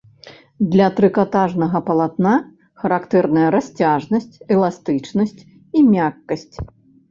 Для трыкатажнага палатна характэрныя расцяжнасць, эластычнасць і мяккасць.